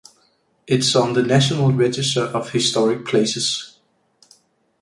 It is on the National Register of Historic Places.